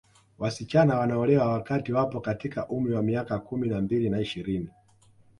Wasichana wanaolewa wakati wapo kati ya umri wa miaka kumi na mbili na ishirini